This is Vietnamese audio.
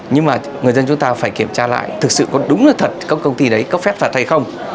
nhưng mà người dân chúng ta phải kiểm tra lại thực sự có đúng là thật các công ty đấy có phép phạt hay không